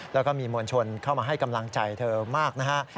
แล้วก็มีมวลชนเข้ามาให้กำลังใจเธอมากนะฮะ